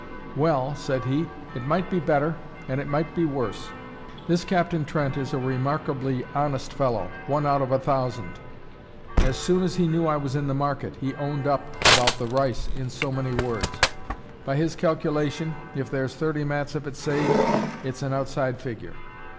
"Well," said he, "it might be better, and it might be worse. This Captain Trent is a remarkably honest fellow one out of a thousand. As soon as he knew I was in the market, he owned up about the rice in so many words. By his calculation, if there's thirty mats of it saved, it's an outside figure.